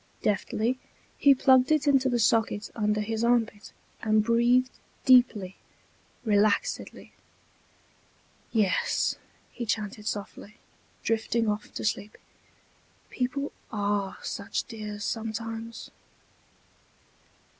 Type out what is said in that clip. Deftly he plugged it into the socket under his armpit, and breathed deeply, relaxedly. "Yes," he chanted softly, drifting off to sleep, "people are such dears sometimes."